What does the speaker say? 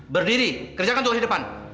berdiri kerjakan juga di depan